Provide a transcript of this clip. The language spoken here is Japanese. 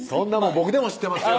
僕でも知ってますよ